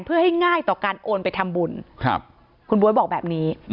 เพื่อให้ง่ายต่อการโอนไปทำบุญครับคุณบ๊วยบอกแบบนี้